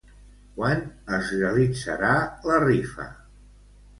Quan es realitzarà la rifa?